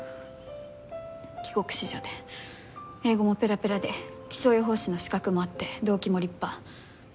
帰国子女で英語もペラペラで気象予報士の資格もあって動機も立派。